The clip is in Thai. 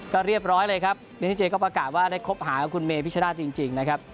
ก็เรียบร้อยเลยครับเมซิเจก็ประกาศว่าได้คบหากับคุณเมพิชนาธิจริงนะครับ